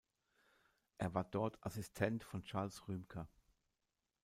Er war dort Assistent von Charles Rümker.